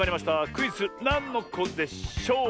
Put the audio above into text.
クイズ「なんのこでショー」。